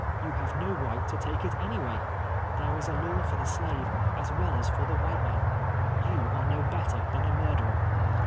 You have no right to take it any way. There is a law for the slave as well as for the white man. You are no better than a murderer.